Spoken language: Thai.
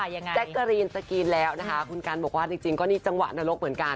แจ๊กกะรีนสกรีนแล้วนะคะคุณกันบอกว่าจริงก็นี่จังหวะนรกเหมือนกัน